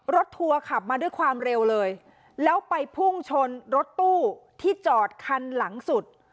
ทัวร์ขับมาด้วยความเร็วเลยแล้วไปพุ่งชนรถตู้ที่จอดคันหลังสุด